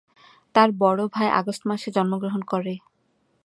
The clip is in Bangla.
তার বড় ভাই আগস্ট মাসে জন্মগ্রহণ করে।